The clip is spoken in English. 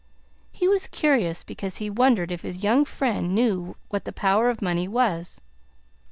He was curious because he wondered if his young friend knew what the power of money was.